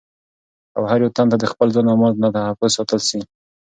او هر يو تن ته دخپل ځان او مال نه تحفظ حاصل سي